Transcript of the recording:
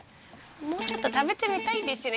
もうちょっと食べてみたいんですよね